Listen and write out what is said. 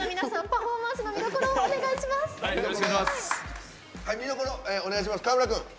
パフォーマンスの見どころをお願いします。